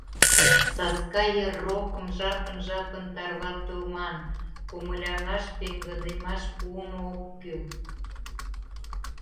Саска йыр рокым жапын-жапын тарватылман, комыляҥаш, пеҥгыдемаш пуымо ок кӱл.